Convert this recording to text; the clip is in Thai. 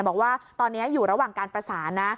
บอกว่าตอนนี้อยู่ระหว่างการประสานนะ